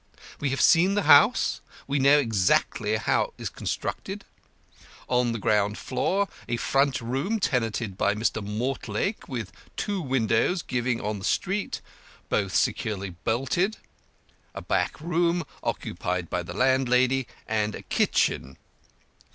We have seen the house; we know exactly how it is constructed. On the ground floor a front room tenanted by Mr. Mortlake, with two windows giving on the street, both securely bolted; a back room occupied by the landlady; and a kitchen.